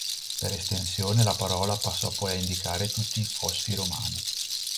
Per estensione la parola passò poi a indicare tutti i fossi romani.